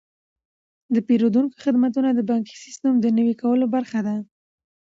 د پیرودونکو خدمتونه د بانکي سیستم د نوي کولو برخه ده.